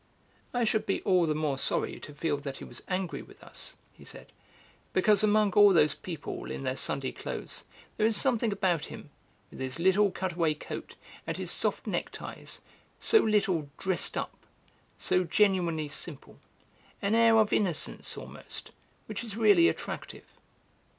"I should be all the more sorry to feel that he was angry with us," he said, "because among all those people in their Sunday clothes there is something about him, with his little cut away coat and his soft neckties, so little 'dressed up,' so genuinely simple; an air of innocence, almost, which is really attractive."